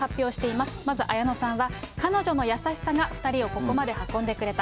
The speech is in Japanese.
まず綾野さんは、彼女の優しさが２人をここまで運んでくれた。